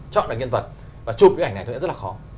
chọn lại nhân vật và chụp cái ảnh này thôi cũng rất là khó